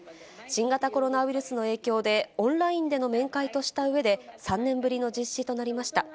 新型コロナウイルスの影響で、オンラインでの面会としたうえで、３年ぶりの実施となりました。